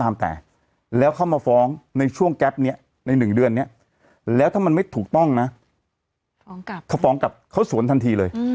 มันก็ต้องเปิดหน้าเปิดหน้าทำยังไง